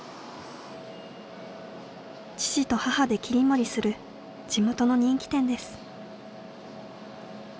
父と母で切り盛りする地元の人気店です。